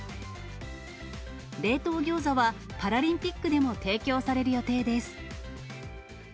冷凍ギョーザはパラリンピックでも提供される予定です。